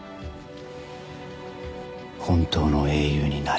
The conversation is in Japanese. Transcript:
本当の英雄になれ。